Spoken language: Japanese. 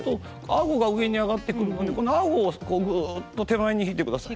あごが上に上がってくるのでこのあごをグっと手前に引いてください。